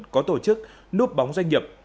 có tổ chức núp bóng doanh nghiệp